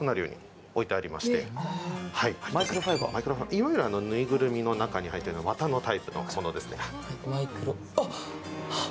いわゆる縫いぐるみの中に入っている綿のタイプのものです。